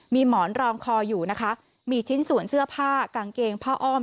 มีหมอนรองคออยู่นะคะมีชิ้นส่วนเสื้อผ้ากางเกงผ้าอ้อม